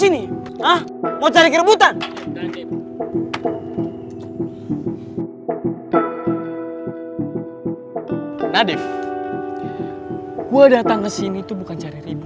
itu mau takut tutup tidak